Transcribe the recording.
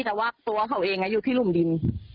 แต่ว่าตัวเขาเองอยู่ที่หลุมดิน